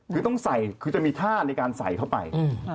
คือต้องใส่คือจะมีท่าในการใส่เข้าไป